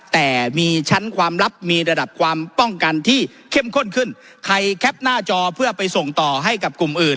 แต่มีชั้นความลับมีระดับความป้องกันที่เข้มข้นขึ้นใครแคปหน้าจอเพื่อไปส่งต่อให้กับกลุ่มอื่น